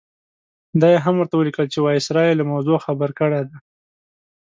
دا یې هم ورته ولیکل چې وایسرا یې له موضوع خبر کړی دی.